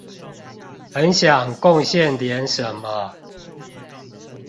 很想貢獻點什麼